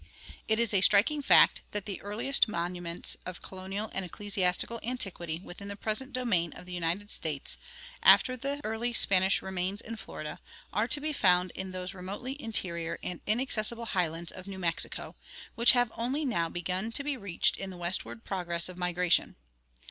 It is a striking fact that the earliest monuments of colonial and ecclesiastical antiquity within the present domain of the United States, after the early Spanish remains in Florida, are to be found in those remotely interior and inaccessible highlands of New Mexico, which have only now begun to be reached in the westward progress of migration.